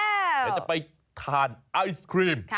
เดี๋ยวจะไปทานไอศครีม